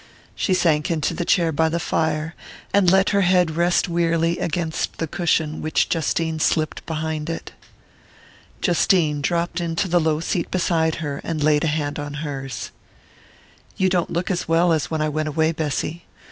She sank into the chair by the fire and let her head rest wearily against the cushion which Justine slipped behind it. Justine dropped into the low seat beside her, and laid a hand on hers. "You don't look as well as when I went away, Bessy.